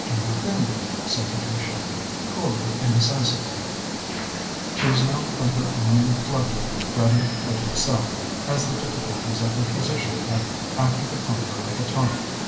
"Nothing," said Patricia, coolly and decisively. She was now quite her own clever, ready witted self, as the difficulties of her position had acted upon her like a tonic.